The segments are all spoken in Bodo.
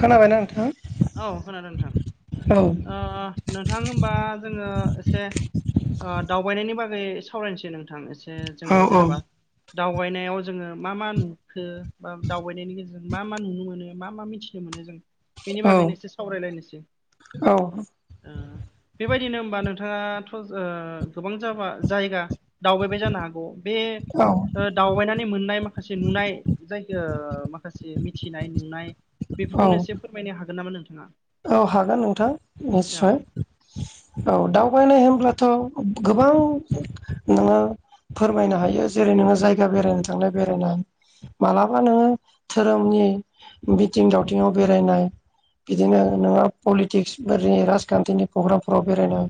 खोनाबाय ना नोंथां? औ खोनादों नोंथां। औ अ नोंथां होमबा जोंङो एसे ओ दावबायनायनि बागै सावरायनोसै नोंथां एसे औ जोंङो जेनेबा दावबायनायाव जोंङो मा मा नुखो बा दावबायनायनि गेजेरजों मा मा नुनो मोनो मा मा मिथिनो मो नो बेनि बागैनो एसे सावरायलायनोसै। औ ओ [unintelligible] बेबायदिनो होमबा नोंथांङाथ' ओ गोबां जाबा जायगा दावबायबाय जानो हागौ। बे ओ दावबायनानै मोननाय माखासे नुनाय जायखो माखासे मिथिनाय नुनाय औ बेफोरखौनो एसे फोरमायनो हागोन नामा नोंथाङा? औ हागोन नोंथां औ निस्सय। औ दावबायनाय होन ब्लाथ' गोबां नोङो फोरमायनो हायो। जेरै नोङो जायगा बेरायनो थांनाय बेरायनाय मालाबा नोङो धोरोमनि मिथिं दावथिङाव बेरायनाय बि दिनो नोङो पलिटिक्सफोरनि राजखान्थिनि प्रग्रामफोराव बेरायनाय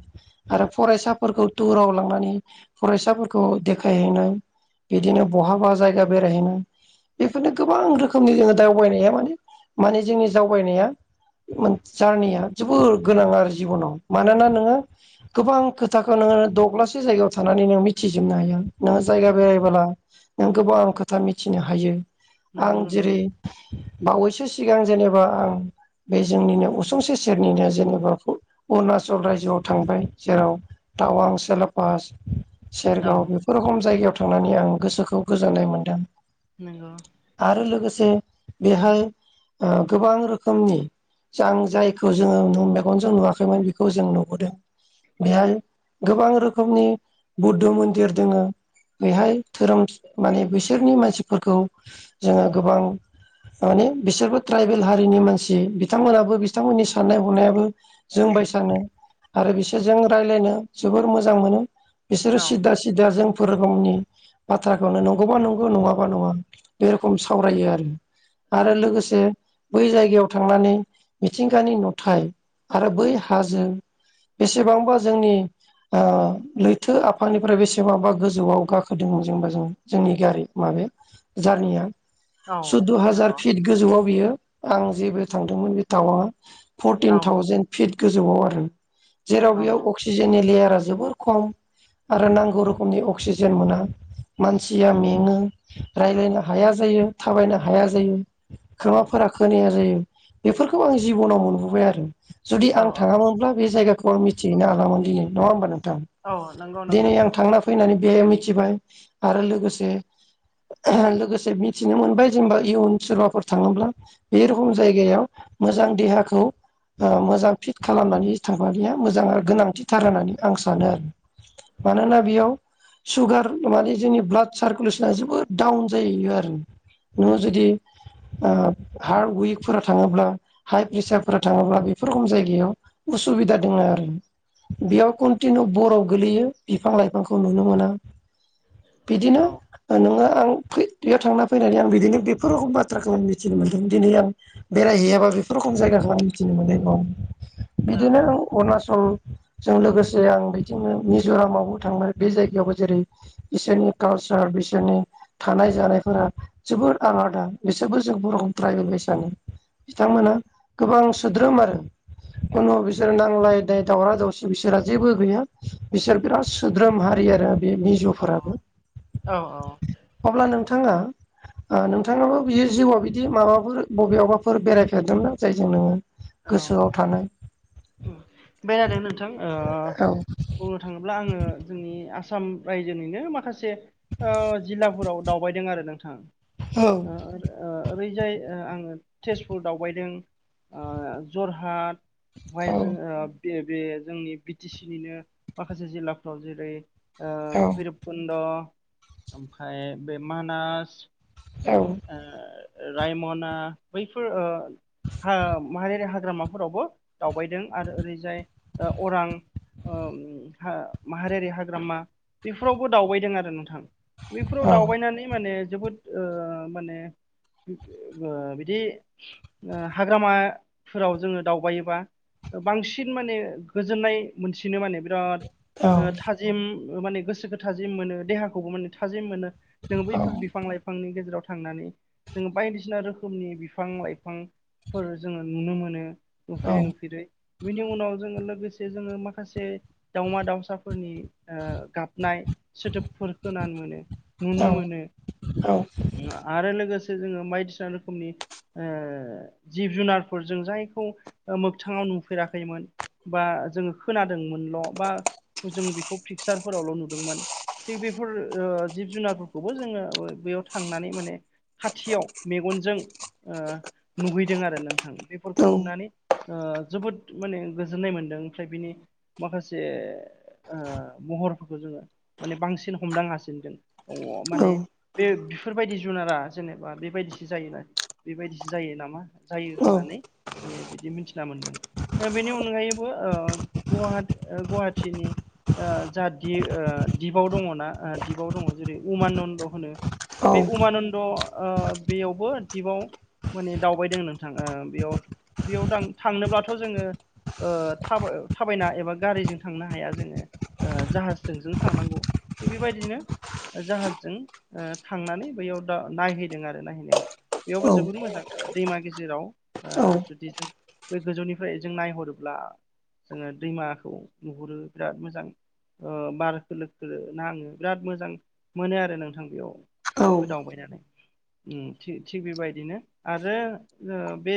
आरो फरायसाफोरखौ टुराव लांनानै फरायसाफोरखौ देखायहैनाय बिदिनो बहाबा जायगा बेरायहैनाय बेफोरनो गोबां रोखोमनि जोङो दावबायनाया माने माने जोंनि दावबायनाया [unintelligible] जारनिया जोबोर गोनां आरो जिबनाव। मानोना नोङो गोबां खोथाखो नोङो दब्लासे जायगायाव थानानै नों मिथिजोबनो हाया। नोङो जायगा बेरायबोला नों गोबां खोथा मिथिनो हायो। आं नंगौ नंगौ जेरै बावैसो सिगां जेनेबा आं बे जोंनिनो उसुंसे सेरनिनो जेनेबा अरुणाचल रायजोआव थांबाय जेराव तावां सिलाेपास सेरगाव औ बेफोर रखम जायगायाव थांनानै आं गोसोखौ गोजोननाय मोन्दों नंगौ आरो लोगोसे बेहाय ओ गोबां रोखोमनि जों जायखौ जोङो मेगनजों नुवाखैमोन बेखौ जों नुबोदों बेहाय गोबां रोखोमनि बुद्ध मन्दिर दोङो बेहाय धोरोम माने बिसोरनि मानसिफोरखौ जोङो गोबां माने बिसोरबो ट्राइबेल हारिनि मानसि बिथांमोनाबो बिथांमोननि साननाय हनायाबो जों बायसानो आरो बिसोरजों रायलायनो जोबोर मोजां मोनो बिसोरो औ सिदा सिदा जोंफोर नि बाथ्राखौनो नंगौबा नंगौ नङाबा नङा बे रखम सावरायो आरो आरो लोगोसे बै जायगायाव थांनानै मिथिंगानि नुथाय आरो बै हाजो बेसेबांबा जोंनि ओ लैथो आफांनिफ्राय बेसेबाबा गोजौआव गाखोदोंमोन जेनबा जों जोंनि गारि माबे जारनिया औ सुद्द' हाजार नंगौ फिट गोजौआव बियो आं जेबो थांदोंमोन औ फरटिन फिट गोजौआव आरो जेराव औ बेयाव अक्सिजेननि जोबोर खम आरो नांगौ रोखोमनि अक्सिजेन मोना मानसिया मेङो राय्लायनो हाया जायो थाबायनो हाया जायो औ खोमाफोरा खोनाया जायो बेफोरखौ आं जिबनाव मोनबोबाय आरो जुदि औ आं थाङामोनब्ला बे जायगा मिथिहैनो हालामोन दिनै नङा हबा नोंथां औ नंगौ नोंथां दिनै आं नंगौ थांना फैनानै बे मिथिबाय आरो लोगोसे लोगोसे मिथिनो मोनबाय जेनेबा इयुन सोरबाफोर थाङोब्ला बे रखम जायगायाव मोजां देहाखौ ओ मोजां फिट खालामनानै थांनाया मोजां आरो गोनांथिथार होननानै आं सानो आरो मानोना बेयाव सुगार माने जोंनि ब्लाड सारकुलेसना जोबोद दडाउन जाहैयो आरो नङो जुदि ओ हार्ट उइकफोरा थाङोब्ला हाइ प्रेसारफोर थाङोब्ला बेफोर रखम जायगायाव उसुबिदा दङ आरो बेयाव कन्टिनिउ बरफ गोलैयो बिफां लाइफांखौ नुनो मोना बिदिनो औ नोङो आं फ बेयाव थांना फैनानै आं बिदिनो बेफोर रखम बाथ्राखौ आं मिथिनो मोनदों दिनै आं बेरायहैयाबा बेफोर रखम जायगाखौ आं मिथिनो मोननाय नङामोन औ बिदिनो आं अरुणाचलजों लोगोसे आं बिदिनो मिज'रामावबो थांबाय बे जायगायावबो जेरै बिसोरनि कालसार बिसोरनि थानाय जानाय फोरा जोबोद आलादा बिसोरबो जों बर' रखम ट्राइबेल बयसानो बिथांमोना गोबां सोद्रोम आरो खुनु बिसोरो नांलाय दाय दावरा दावसि बिसोरहा जेबो गैया बिसोर बिराद सोद्रोम हारि आरो बे औ मिज'फोराबो औ अब्ला नों थाङा ओ नोंथाङाबो बियो जिउवा बिदि माबाफोर बबेयावबा फोर बेरायफेरदोंना जायजों नोङो औ गोसोआव थानाय बेरायदों नोंथां ओ औ बुंनो थाङोब्ला आङो जोंनि आ साम रायजोनिनो माखासे ओव जिल्लाफोराव दावबायदों आरो नोंथां औ बैजाय आङो तेजपुर दावबायदों जरहाट औ फाय जों ओ बे-बे जोंनि बि टि सि निनो माखासे जिल्लाफ्राव जेरै ओ औ भैरबकुन्द ओमफ्राय बे मानास औ ओ रायमना बैफोर ओ हा माहारियारि हाग्रामाफोरावबो दावबायदों आरो ओरैजाय अरां ओम था माहारियारि हाग्रामा बेफोरावबो दावबायदों आरो नोंथां। बैफोराव औ दावबायनानै माने जोबोद ओ माने ओ बिदि ओ हाग्रामाफोराव जोङो दावबायोबा बांसिन माने गोजोननाय मोनसिनो माने बिराद ओ थाजिम माने गोसोखौ थाजिम मोनो देहाखौबो माने थाजिम मोनो। जों औ बैफोर बिफां लाइफांनि गेजेराव थांनानै जोङो बायदिसिना रोखोमनि बिफां लाइफांफोर जोङो नुनो मोनो। औ नुफेरै नुफेरै बिनि उनाव जोङो लोगोसे जोङो माखासे दावमा दावसाफोरनि ओ गाबनाय सोदोबफोर खोनान मोनो औ नुनो मोनो। आरो लोगोसे जोङो बायदिसिना रोखोमनि ओ जिब जुनारफोर जों जायखौ मोगथाङाव नुफेराखैमोन बा जोङो खोनादोंमोनल' बा बोजों बेखौ फिक्सार फोरावल' नुदोंमोन थिग बेफोर ओ जिब जुनारफोरखौबो जोङो बेयाव थांनानै माने खाथियाव मेगनजों ओ नुगैदों आरो नोंथां बेफोरखौ नुनानै ओ जोबोद माने गोजोननाय मोनदों ओमफ्राय बिनि माखासे ओ महरफोरखौ जोङो माने बांसिन हमदां हासिनदों अ औ माने बे बेफोरबायदि जुनारा जेनेबा बेबायदिसो जायो बेबायदिसो जायो नामा जायो होननानै माने बिदि मिन्थिना मोन्दों। बेनि अनगायैबो ओ गुवाहा-गुवाहाटिनि ओ जा दि ओ दिपाव दङना ओ दिपाव दङ जेरै उमानन्द होनो बे उमानन्द ओ बेयावबो दिपाव माने दावबायदों नोंथां ओ बेयाव बेयावां दां थांनोब्लाथ' जोङो ओ थाबा-थाबायना एबा गारिजों थांनो हाया जोङो जाहाजजों जों थांनांगौ थिग बेबायदिनो जाहाजजों ओ थांनानै बैयाव दा नायहैदों आरो नायहैनायाव बेयावबो जोबोद मोजां दैमा गेजेराव ओ जुदि जों बै गोजौनिफ्राय जों नायहरोब्ला जोङो दैमाखौ नुहुरो बिराद मोजां ओ बार खोलो खोलो नाङो बिराद मोजां मोनो आरो नोंथां बेयाव गोदावबाय नालाय उम थि-थिग बेबायदिनो आरो बे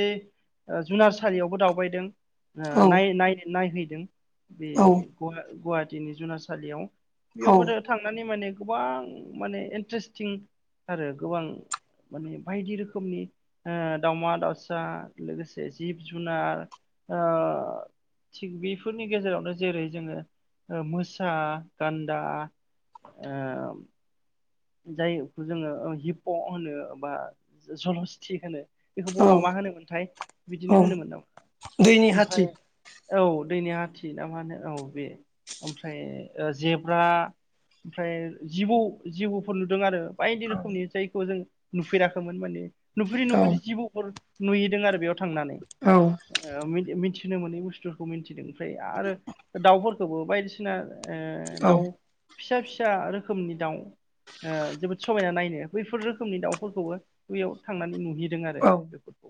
ओ जुनारसालियावबो दावबायदों ओ नाय-नाय-नायहैदों बे गुहा-गुवाहाटिनि जुनारसालियाव औ बेयावबो थांनानै माने गोबां माने एन्ट्रेस्टिं आरो गोबां माने बायदि रोखोमनि ओ दाउमा दाउसा लोगोसे जिब जुनार ओ थिग बेफोरनि गेजेरावनो जेरै जोङो मोसा गान्दा ओ। जायखौ जोङो हिपप' होनो बा जलस्थि होनो बेखौ बर'आव मा होनोमोनथाय औ बिदिनो होनोमोनदां दैनि ओमफाय हाथि औ। दैनि हाथिना मा होनो औ बे ओमफ्राय ओ जेब्रा ओमफ्राय जिबौ जिबौ नुदों आरो बायदि औ रोखोमनि जायखौ जों नुफेराखैमोन माने नुफेरै औ नुफेरै जिबौफोर नुयैदों आरो बेयाव थांनानै ओ मिथिनो मोनै बुस्थुफोरखौ मिथिदों ओमफ्राय आरो दाउफोरखौबो बायदिसिना ओ औ दाउ फिसा फिसा रोखोमनि दाउ ओ जोबोद समायना नायनो बैफोर रोखोमनि दाउफोरखौबो बैयाव थांनानै नुहैदों आरो औ बेफोरखौ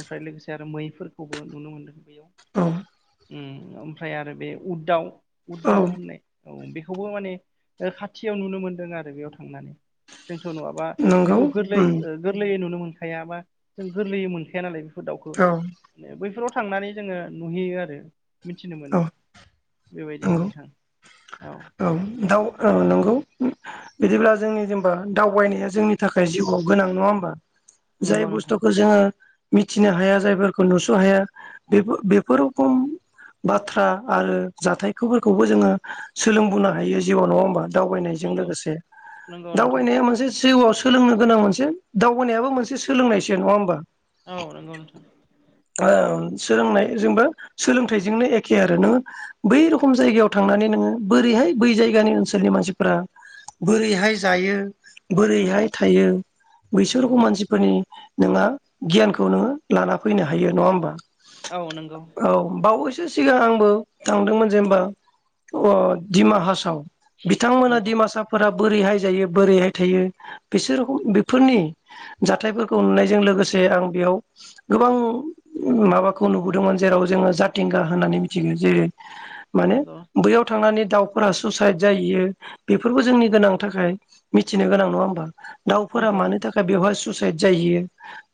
ओमफ्राय लोगोसे आरो मैफोरखौबो नुनो मोनदों बैयाव औ उ ओमफ्राय आरो बे उद दाव उद दाव औ होननाय औ बेखौबो माने ओ खाथियाव नुनो मोनदों आरो बेयाव थांनानै जोंथ' नङाबा नंगौ बेखौ गोरलै उम ओ गोरलैयै नुनो मोनखाया बा जों गोरलैयै मोनखाया नालाय बिफोर दाउखौ औ माने बैफोराव थांनानै जोङो नुहैयो आरो मिथिनो मोनो बेबायदिनो नोंथां औ। दाव ओ नंगौ बिदिब्ला जोंनि जेनबा दावबायनाया जोंनि थाखाय जिउआव गोनां नङा होमबा? जाय नंगौ नोंथां बुस्थुखौ जोङो मिथिनो हाया जायफोर खौ नुस' हाया बेफो-बेफोर खम बाथ्रा आरो जाथायखौफोरखौबो जोङो सोलोंबोनो हायो जिउवाव नङा होमबा दावबायनायजों नंगौ लोगोसे। नंगौ नोंथां दावबायनाया मोनसे जिउवाव सो सोलोंनो गोनां मोनसे दावगानायाबो मोनसे सोलोंनायसो नङा होमबा? औ नंगौ नोंथां। ओ सोलोंनायजोंबो सोलोंथाइजोंनो एखे आरो नोङो बै रखम जायगायाव थांनानै नोङो बोरैहाय बै जायगानि ओनसोलनि मानसिफोरा बोरैहाय जायो औ बोरैहाय थायो नंगौ बैसोरखौ मानसिफोरनि नोङा गियानखौ नोङो लाना फैनो हायो नङा होमबा? औ नंगौ औ बावैसो सिगां आंबो थांदोंमोन जेनेबा अह दिमाहासाव बिथांमोना नंगौ दिडिमासाफोरा बोरैहाय जायो बोरैहाय थायो बिसोरखौ बेफोरनि जाथायफोरखौ नुनायजों लोगोसे जे आं बेयाव गोबां माबाखौ नुबोदोंमोन जेराव जोङो जाथिंगा होननानै मिथिगोन जेरै माने नंगौ बैयाव थांनानै दाउफोरा सुइसाइद जाहैयो बेफोरबो जोंनि गोनां थाखाय मिथिनो गोनां नङा होमबा? दाउफोरा नंगौ मानि थाखाय बेवहाय सुइसाइद जाहैयो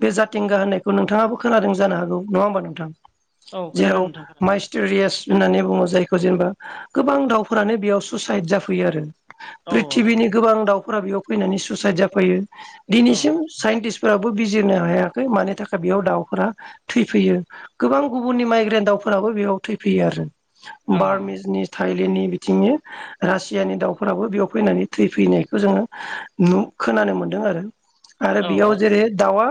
बे जाथिंगा होननाय खौ नोंथाङाबो खोनादों जानो हागौ नङा होमबा नोंथां? औ खोनादों जेराव नोंथां खोनादों माइस्टेरियास होननानै बुङो जायखौ जेनेबा गोबां दाउफोरानो बेयाव सुइसाइद जाफैयो आरो औ प्रिथि्बिनि गोबां दाउफोरा बेयाव फैनानै सुइसाइद जाफैयो औ दिनैसिम साइन्टिस्ट फोराबो बिजिरनो हायाखै मानि थाखाय। बेयाव दाउफोरा थैफैयो गोबां गुबुननि माइग्रेन दाउफोराबो बेयाव थैफैयो आरो। औ बार मिजनि था नि बिथिंनि रासियानि दाउफोराबो बेयाव फैनानै थै फैनायखौ जोङो नु खोना खोनानो मोनदों आरो औ बेयाव जेरै दाउआ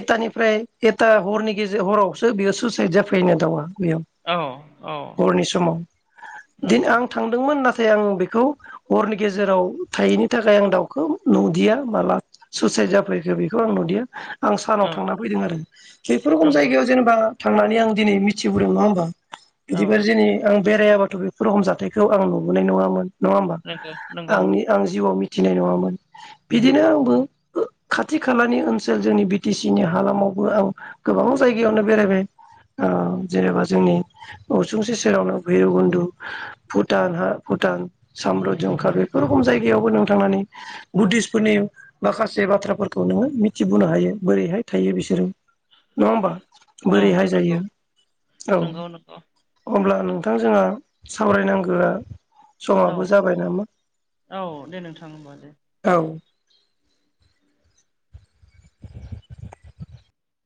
एटानि फ्राय एथा हरनि गेजेर हरावसो बियो सुइसाइद जाफैनो दाउवा। बेयाव औ औ हरनि समाव दि नंगौ आं थांदोंमोन नाथाय नाथाय आं बेखौ हरनि गेजेराव थायैनि थाखाय आं दाउखौ नुदिया माला सुसाइ द जाफैखो बेखौ आं नुदिया आं। सानाव औ थांना फैदों आरो बेफोर रखम नंगौ जायगायाव जेनेबा थांनानै आं दिनै मिथिबोदों नङा होमबा? औ बिदिबा जेने आं बेरायाबाथ' बेफोर रखम जाथायाइखौ आं नुबोनाय नङामोन। नङा होमबा? नंगौ नंगौ आंनि आं जिउआव मि थिनाय नङामोन बिदिनो आंबो खाथि खालानि ओनसोल जोंनि बि टि सि जोंनि हालामावबो आं गोबां जायगायावनो बेरायबाय। ओ जेनेबा जोंनि उसुंसे सेरावनो भैरबकुन्न्दु भुटान हा भुटान साम्रत जंखार बेफोर रखम जायगायावबो नों थांनानै बुद्धिसतफोरनि माखासे बाथ्राफोरखौ नोङो मिथिबोनो हायो बोरैहाय थायो बिसोरो। नङा होमबा? औ बोरैहाय जायो नंगौ औ नंगौ नंगौ अब्ला नोंथां जोंहा सावरायनांगौआ औ समाबो जाबाय नामा औ दे नोंथां होमबा दे औ।